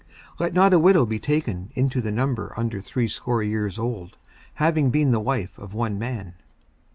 54:005:009 Let not a widow be taken into the number under threescore years old, having been the wife of one man.